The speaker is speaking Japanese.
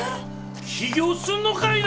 起業すんのかいな！